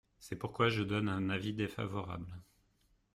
C’est pourquoi je donne un avis défavorable.